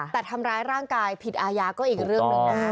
แต่ทำร้ายร่างกายผิดอาญาก็อีกเรื่องหนึ่งนะ